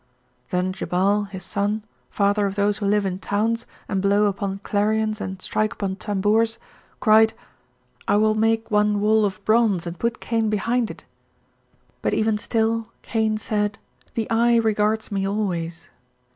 "Then Jubal, his son, father of those who live in towns and blow upon clarions and strike upon tambours, cried, 'I will make one barrier, I will make one wall of bronze and put Cain behind it.' But even still, Cain said, 'The Eye regards me always!'